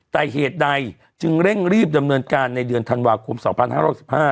แต่เหตุใดจึงเร่งรีบดำเนินการในเดือนธันวาคมสารพันห้ารกสิบห้า